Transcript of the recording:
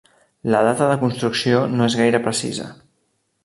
La data de construcció no és gaire precisa.